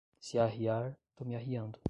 Se arriar, tô me arriando